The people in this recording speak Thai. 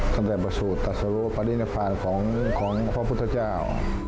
ตั้งแต่ประสูจน์ตัดสรุปหลิงไฟฟานของพระพุทธเจ้า